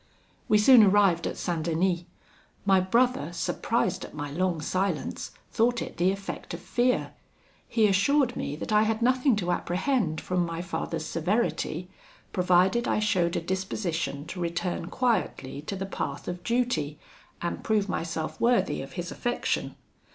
"We soon arrived at St. Denis. My brother, surprised at my long silence, thought it the effect of fear. He assured me that I had nothing to apprehend from my father's severity, provided I showed a disposition to return quietly to the path of duty, and prove myself worthy of his affection.